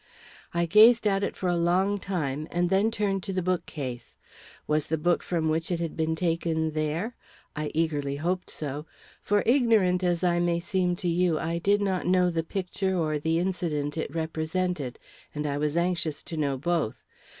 I gazed at it for a long time, and then turned to the bookcase. Was the book from which it had been taken there? I eagerly hoped so. For, ignorant as I may seem to you, I did not know the picture or the incident it represented; and I was anxious to know both.